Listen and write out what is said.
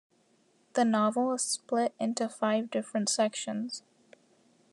The novel is split into five different sections.